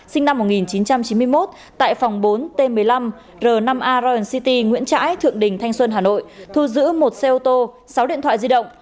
sinh năm một nghìn chín trăm chín mươi một tại phòng bốn t một mươi năm r năm a royan city nguyễn trãi thượng đình thanh xuân hà nội thu giữ một xe ô tô sáu điện thoại di động